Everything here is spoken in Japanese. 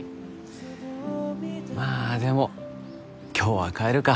まあでも今日は帰るか